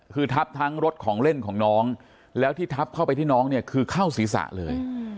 คือทับทั้งรถของเล่นของน้องแล้วที่ทับเข้าไปที่น้องเนี่ยคือเข้าศีรษะเลย